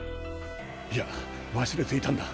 いやわすれていたんだ。